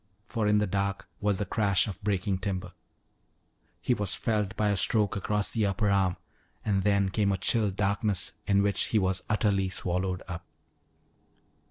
For in the dark was the crash of breaking timber. He was felled by a stroke across the upper arm, and then came a chill darkness in which he was utterly swallowed up.